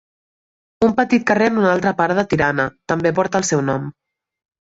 Un petit carrer en una altra part de Tirana, també porta el seu nom.